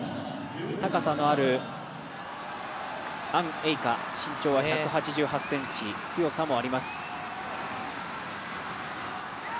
高さのあるアン・エイカ、身長は１８８ｃｍ強さもあります。